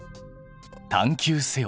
探究せよ！